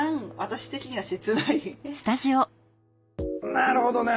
なるほどね。